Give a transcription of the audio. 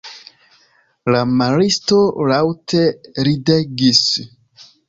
La maristo laŭte ridegis.